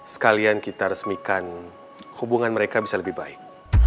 sekalian kita resmikan hubungan mereka bisa lebih baik